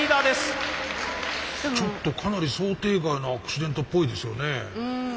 ちょっとかなり想定外のアクシデントっぽいですよね。